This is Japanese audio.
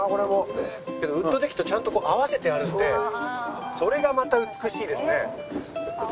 けどウッドデッキとちゃんと合わせてあるんでそれがまた美しいですね。